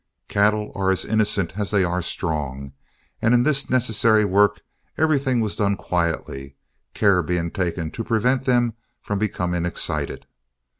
Cattle are as innocent as they are strong, and in this necessary work everything was done quietly, care being taken to prevent them from becoming excited.